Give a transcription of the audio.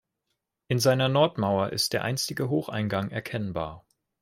In seiner Nordmauer ist der einstige Hocheingang erkennbar.